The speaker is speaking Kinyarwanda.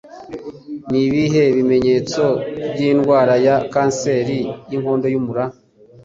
Ni ibihe bimenyetso by'indwara ya kanseri y'inkondo y'umura?